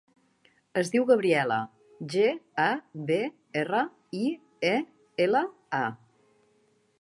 Es diu Gabriela: ge, a, be, erra, i, e, ela, a.